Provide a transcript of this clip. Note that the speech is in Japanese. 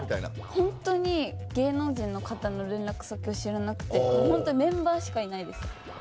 本当に芸能人の方の連絡先を知らなくて本当にメンバーしかいないです。